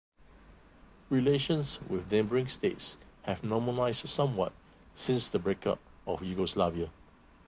Relations with neighbouring states have normalized somewhat since the breakup of Yugoslavia.